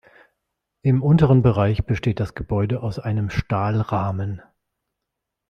Im unteren Bereich besteht das Gebäude aus einem Stahlrahmen.